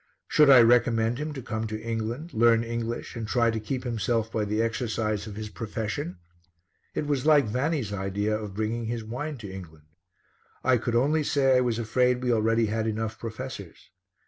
Should I recommend him to come to England, learn English and try to keep himself by the exercise of his profession? It was like Vanni's idea of bringing his wine to England. I could only say I was afraid we already had enough professors.